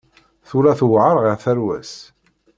Tella tewεer ɣer tarwa-s.